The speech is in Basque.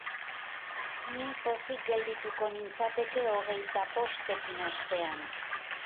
Ni pozik geldituko nintzateke hogeita bostekin astean.